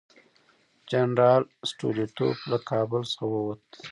جنرال سټولیټوف له کابل څخه ووت.